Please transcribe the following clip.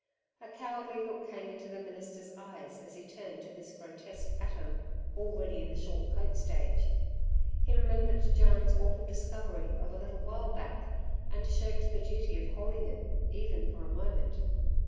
A cowardly look came into the minister's eyes as he turned to this grotesque atom already in the short coat stage. He remembered Jyne's awful discovery of a little while back, and shirked the duty of holding it even for a moment.